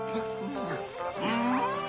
うん！